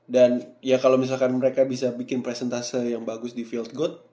dan ya kalau misalkan mereka bisa bikin presentase yang bagus di field goal